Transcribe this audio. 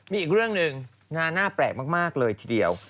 มีอีกเรื่องหนึ่งงานหน้าแปลกมากเลยทีเดียว